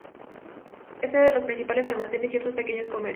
Es sede de los principales almacenes y otros pequeños comercios.